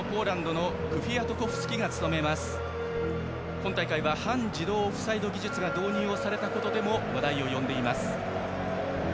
今大会は半自動オフサイド技術が導入されたことでも話題を呼んでいます。